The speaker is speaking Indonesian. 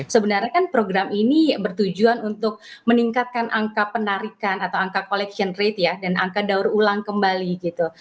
sebenarnya kan program ini bertujuan untuk meningkatkan angka penarikan atau angka collection rate ya dan angka daur ulang kembali gitu